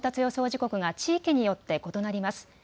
時刻が地域によって異なります。